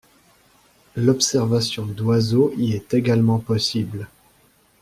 L'observation d'oiseaux y est également possible.